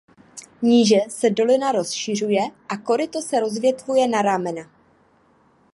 Níže se dolina rozšiřuje a koryto se rozvětvuje na ramena.